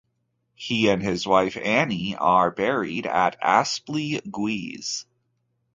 He and his wife Annie are buried at Aspley Guise.